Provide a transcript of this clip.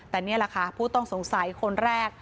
แต่นี่แหละค่ะผู้ต้องสงสัยคนแรก